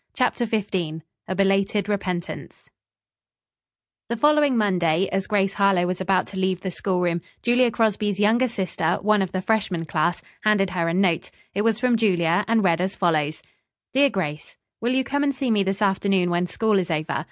CHAPTER XV A BELATED REPENTANCE The following Monday as Grace Harlowe was about to leave the schoolroom, Julia Crosby's younger sister, one of the freshman class, handed her a note. It was from Julia, and read as follows: "DEAR GRACE: "Will you come and see me this afternoon when school is over?